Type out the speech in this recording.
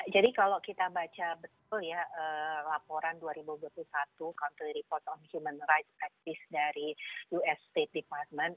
jadi kalau kita baca betul ya laporan dua ribu dua puluh satu country report on human rights practice dari us state department